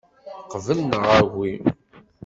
Qbel neɣ agi.